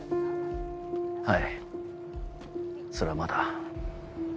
はいそれはまだ。